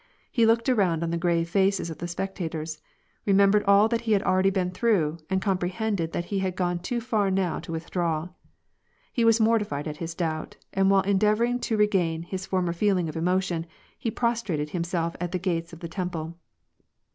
He looked around on the grave faces of the spectators, remembered all that he had already been through, and comprehended that he had gone too far now to withdraw. He was mortified at his doubt, and while endeavoring to re gain his former feeling of emotion, he prostrated himself at the gates of the Temple.